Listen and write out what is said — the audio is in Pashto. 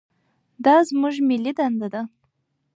دا زموږ ملي دنده ده.